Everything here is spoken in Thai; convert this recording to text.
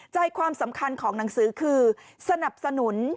ใจความสำคัญของหนังสือคือสนับสนุน